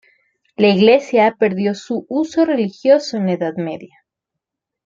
La iglesia perdió su uso religioso en la Edad Media.